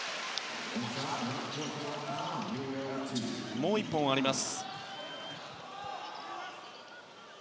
もう１本あります。